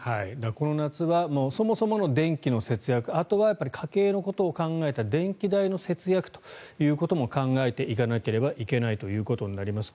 この夏はそもそもの電気の節約あとは家計のことを考えた電気代の節約ということも考えていかなければいけないということになります。